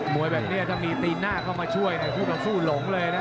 วยแบบนี้ถ้ามีตีนหน้าเข้ามาช่วยคู่ต่อสู้หลงเลยนะ